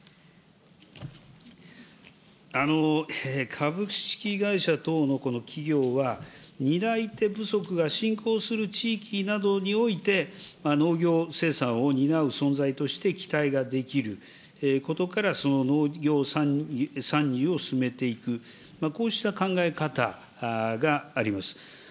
株式会社等のこの企業は、担い手不足が進行する地域などにおいて、農業生産を担う存在として期待ができることから、その農業参入を進めていく、こうした考え方があります。